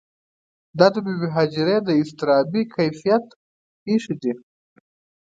دا د بې بي هاجرې د اضطرابي کیفیت پېښې دي.